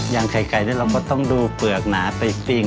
อย่างไข่ไก่เราก็ต้องดูเปลือกหนาไปปิ้ง